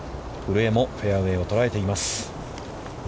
古江もフェアウェイを捉えています。